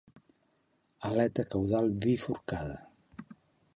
Aleta caudal bifurcada.